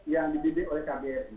yang dibidik oleh kbri